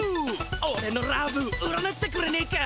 オレのラブ占っちゃくれねえか。